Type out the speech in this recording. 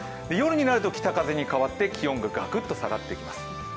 夜になると北風に変わって気温がガクっと下がってきます。